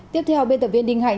tiếp theo biên tập viên đình hành